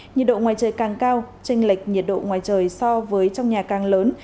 nhiệt độ ngoài trời càng cao tranh lệch nhiệt độ ngoài trời so với trong nhà càng lớn